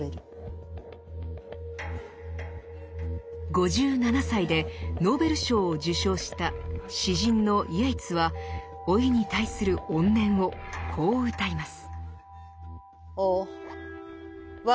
５７歳でノーベル賞を受賞した詩人のイェイツは老いに対する怨念をこううたいます。